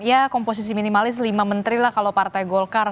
ya komposisi minimalis lima menteri lah kalau partai golkar